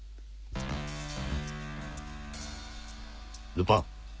ルパン？